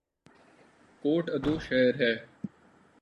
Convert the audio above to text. کوٹ ادو شہر ہے